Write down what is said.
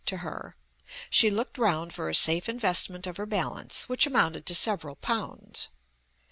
to her), she looked round for a safe investment of her balance, which amounted to several pounds.